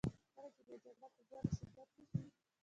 کله چې بیا جګړه په زور او شدت کې شي.